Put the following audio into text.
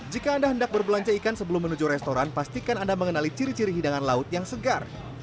jika anda hendak berbelanja ikan sebelum menuju restoran pastikan anda mengenali ciri ciri hidangan laut yang segar